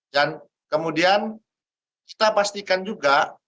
dan kemudian kita pastikan juga